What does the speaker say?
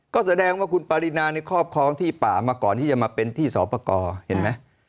ก็แสดงว่าคุณปรินาในครอบครองที่ป่ามาก่อนที่จะมาเป็นที่สอบประกอบเห็นไหม